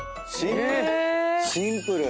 シンプル。